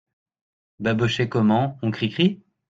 Babochet Comment, on cricri ?